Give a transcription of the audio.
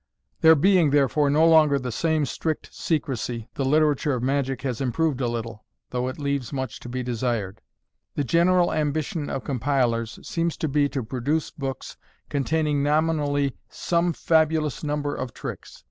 There being, therefore, no longer the same strict secresy, the literature of magic has improved a little, though it still leaves much to be desired. The general ambition of compilers seems to be to produce books containing nominally some fabulous number of tricks.